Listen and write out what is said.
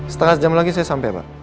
setengah jam lagi saya sampai pak